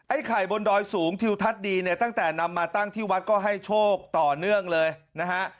ไข่บนดอยสูงทิวทัศน์ดีเนี่ยตั้งแต่นำมาตั้งที่วัดก็ให้โชคต่อเนื่องเลยนะฮะ